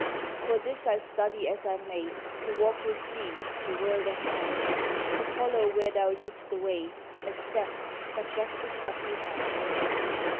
For this I study as I may To walk with thee, the world of mind, To follow where thou lead'st the way, A step, but just a step behind.